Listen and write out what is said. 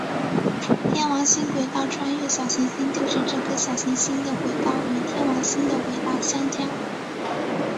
天王星轨道穿越小行星就是这颗小行星的轨道和天王星的轨道相交。